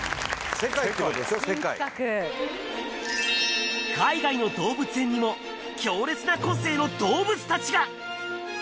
世界新企画海外の動物園にも強烈な個性の動物達が！